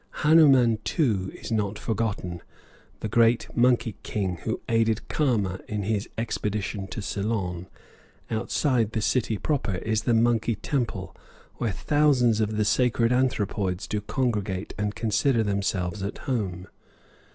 Hanuman, too, is not forgotten, the great Monkey King who aided Kama in his expedition to Ceylon; outside the city proper is the monkey temple, where thousands of the sacred anthropoids do congregate and consider themselves at home.